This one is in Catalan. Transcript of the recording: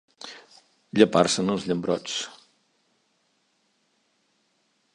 Llepar-se'n els llambrots.